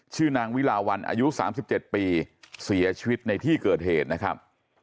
ชื่อนางวิลาวันอายุ๓๗ปีเสียชีวิตในที่เกิดเหตุนะครับ